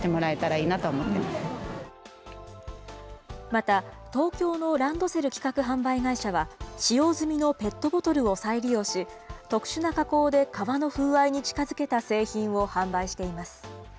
また、東京のランドセル企画・販売会社は、使用済みのペットボトルを再利用し、特殊な加工で革の風合いに近づけた製品を販売しています。